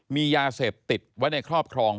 มียาเสพติดไว้ในครอบครอง